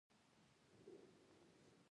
او اوس په تورو خاورو کې پراته دي.